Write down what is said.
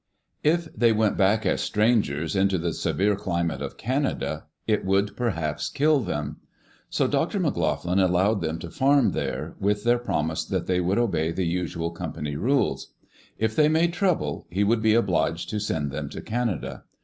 If they went back as strangers, into the severe climate of Canada, it would perhaps kill them. So Dr. McLoughlin allowed them to farm there, with their promise that they would obey the usual company rules. If they made trouble, htrwould be obliged to send them to Canada.